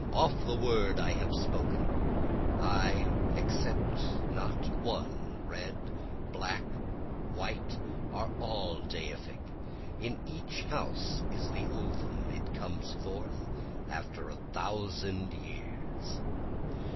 Off the word I have spoken I except not one red, white, black, are all deific, In each house is the ovum, it comes forth after a thousand years.